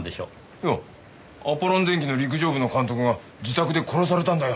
いやアポロン電機の陸上部の監督が自宅で殺されたんだよ。